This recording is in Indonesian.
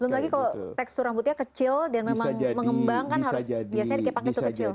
belum lagi kalau tekstur rambutnya kecil dan memang mengembang kan harus biasanya dipakai tuh kecil